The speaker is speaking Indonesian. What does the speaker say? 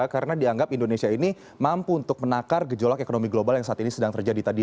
karena dianggap indonesia ini mampu untuk menakar gejolak ekonomi global yang saat ini sedang terjadi tadi